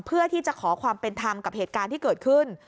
เพื่อที่จะขอความเป็นธรรมกับเหตุการณ์ที่เกิดขึ้น